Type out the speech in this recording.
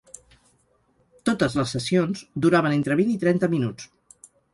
Totes les sessions duraven entre vint i trenta minuts.